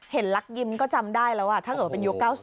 เห็นลักยิ้มก็จำได้แล้วว่าถ้าเกิดเป็นยุค๙๐อะ